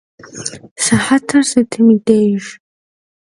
Sıhetır sıtım dêjj?